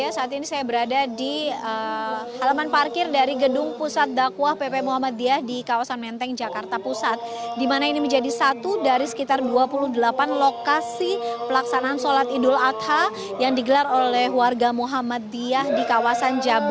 sufi bagaimana dengan persiapan pelaksanaan sholat idul adha di sana